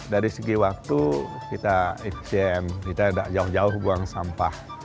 dari segi waktu kita eksam kita tidak jauh jauh buang sampah